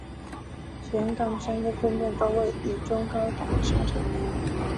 全港三间分店都位于中高档商场内。